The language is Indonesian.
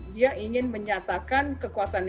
dia ingin menyatakan kekuasaan